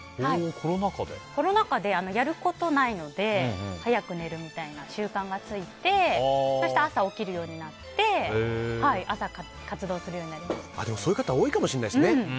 コロナ禍で、やることないので早く寝るみたいな習慣がついてそして朝起きるようになってそういう方多いかもしれないですね。